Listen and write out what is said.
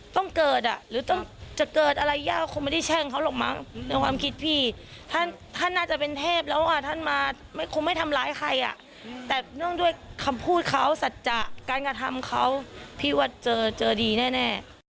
ต้องเกิดอ่ะหรือต้องจะเกิดอะไรยากคงไม่ได้แช่งเขาหรอกมั้งในความคิดพี่ท่านน่าจะเป็นเทพแล้วอ่ะท่านมาคงไม่ทำร้ายใครอ่ะแต่เนื่องด้วยคำพูดเขาสัจจะการกระทำเขาพี่ว่าเจอเจอดีแน่